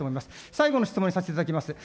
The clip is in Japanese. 最後の質問にさせていただきます。